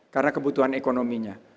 karena kebutuhan ekonominya